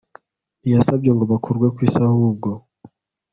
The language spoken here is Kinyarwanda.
ntiyasabye ngo bakurwe ku isi ahubwo